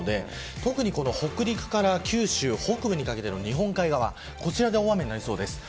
特に北陸から九州北部にかけて日本海側で大雨になりそうです。